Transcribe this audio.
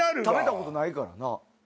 食べたことないからな。